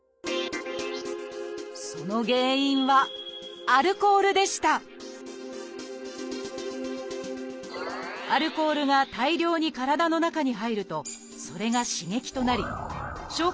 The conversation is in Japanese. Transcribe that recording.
その原因はアルコールが大量に体の中に入るとそれが刺激となり消化